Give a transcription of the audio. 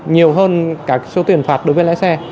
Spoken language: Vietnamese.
nhiều hơn cả số tiền phạt đối với lái xe